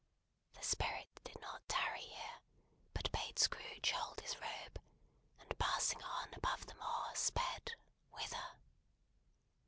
The Spirit did not tarry here, but bade Scrooge hold his robe, and passing on above the moor, sped whither?